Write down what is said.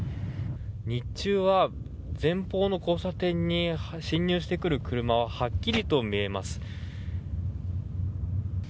日中は前方の交差点に進入してくる車ははっきりと見えます。